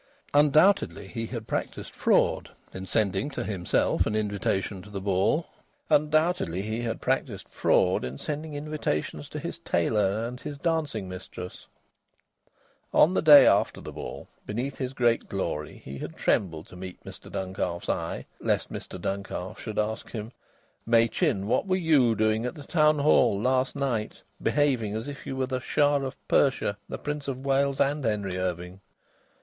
Undoubtedly he had practised fraud in sending to himself an invitation to the ball. Undoubtedly he had practised fraud in sending invitations to his tailor and his dancing mistress. On the day after the ball, beneath his great glory, he had trembled to meet Mr Duncalf's eye, lest Mr Duncalf should ask him: "Machin, what were you doing at the Town Hall last night, behaving as if you were the Shah of Persia, the Prince of Wales, and Henry Irving?"